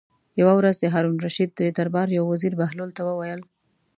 یوه ورځ د هارون الرشید د دربار یو وزیر بهلول ته وویل.